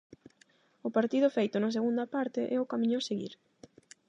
O partido feito na segunda parte é o camiño a seguir.